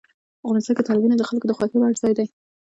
افغانستان کې تالابونه د خلکو د خوښې وړ ځای دی.